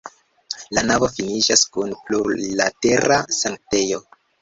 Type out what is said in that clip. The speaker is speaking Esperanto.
La navo finiĝas kun plurlatera sanktejo.